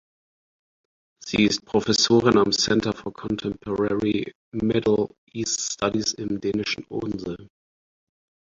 Sie ist Professorin am Centre for Contemporary Middle East Studies im dänischen Odense.